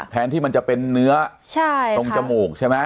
แทนที่มันจะเป็นเนื้อตรงจมูกใช่ไหม